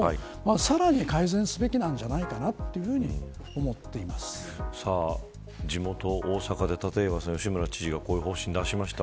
さらに改善すべきなんじゃないかなというふうに地元大阪で立岩さん吉村知事がこういう方針を出しました。